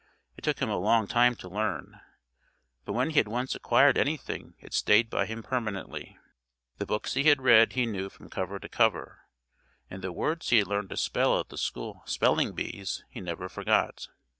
It took him a long time to learn, but when he had once acquired anything it stayed by him permanently. The books he had read he knew from cover to cover, and the words he had learned to spell at the school "spelling bees" he never forgot.